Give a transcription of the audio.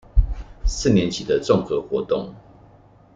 四年級的綜合活動